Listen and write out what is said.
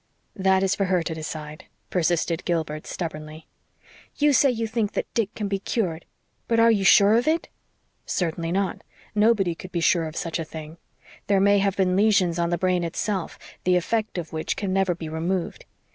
"That is for her to decide," persisted Gilbert stubbornly. "You say you think that Dick can be cured. But are you SURE of it?" "Certainly not. Nobody could be sure of such a thing. There may have been lesions of the brain itself, the effect of which can never be removed.